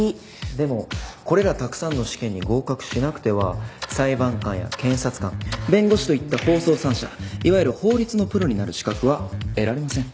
でもこれらたくさんの試験に合格しなくては裁判官や検察官弁護士といった法曹三者いわゆる法律のプロになる資格は得られません。